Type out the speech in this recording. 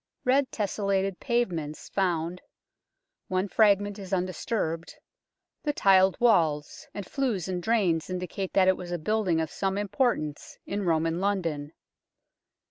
Red tesselated pavements found one fragment is undisturbed the tiled walls, and flues and drains indicate that it was a building of some import ance in Roman London.